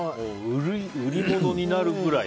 売り物になるくらい。